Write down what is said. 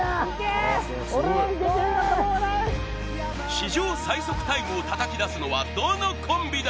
史上最速タイムをたたき出すのはどのコンビだ？